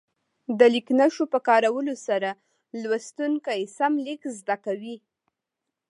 د لیک نښو په کارولو سره لوستونکي سم لیکل زده کوي.